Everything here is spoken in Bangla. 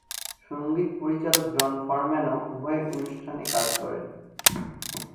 সঙ্গীত পরিচালক জন ফোরম্যানও উভয় অনুষ্ঠানে কাজ করেন।